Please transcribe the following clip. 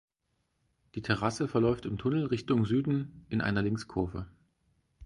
Die Trasse verläuft im Tunnel Richtung Süden in einer Linkskurve.